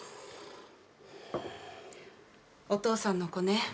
お父さんの子ね。